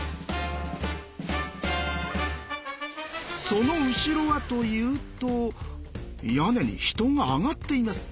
その後ろはというと屋根に人が上がっています。